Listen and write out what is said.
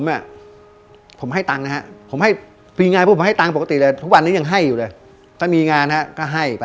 และมีสิ่งแบบลอรกฐานที่ไม่เหลือหรอก